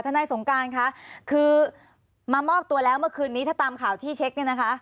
ท่านายสงการค่ะคือมามอกตัวแล้วเมื่อคืนนี้ถ้าตามข่าวที่เช็ค